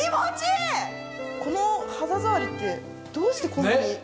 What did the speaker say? この肌触りってどうしてこんなに。